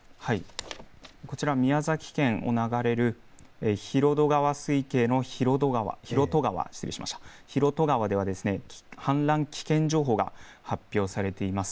こちら、宮崎県を流れる広渡川水系の広渡川では氾濫危険情報が発表されています。